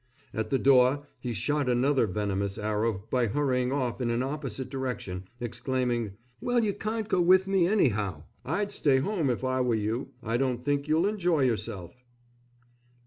At the door he shot another venomous arrow by hurrying off in an opposite direction, exclaiming, "Well, you can't go with me anyhow! I'd stay home if I were you. I don't think you'll enjoy yourself."